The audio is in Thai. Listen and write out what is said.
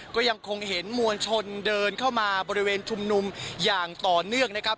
ก็ยังคงเห็นมวลชนเดินเข้ามาบริเวณชุมนุมอย่างต่อเนื่องนะครับ